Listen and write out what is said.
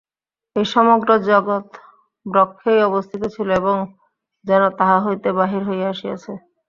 এই সমগ্র জগৎ ব্রহ্মেই অবস্থিত ছিল, এবং যেন তাঁহা হইতে বাহির হইয়া আসিয়াছে।